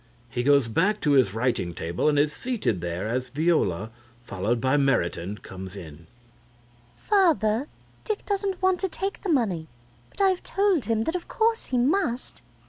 He goes back to his writing table and is seated there as VIOLA, followed by MERITON, comes in.) VIOLA. Father, Dick doesn't want to take the money, but I have told him that of course he must.